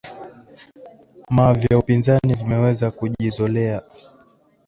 ma vya upinzani vimeweza kujizolea